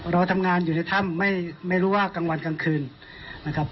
เราทำงานอยู่ในถ้ำไม่รู้ว่ากลางวันกลางคืนนะครับ